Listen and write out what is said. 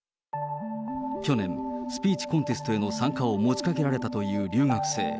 去年、スピーチコンテストへの参加を持ちかけられたという留学生。